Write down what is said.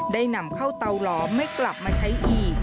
ได้นำเข้าเตาหลอมไม่กลับมาใช้อีก